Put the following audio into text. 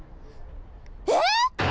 えっ！